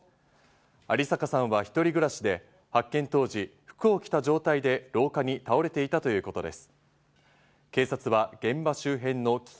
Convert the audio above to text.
有坂さんは１人暮らしで、発見当時、服を着た状態で廊下に倒れていたということです。